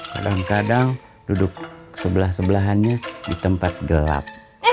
kadang kadang duduk sebelah sebelahannya di tempat gelap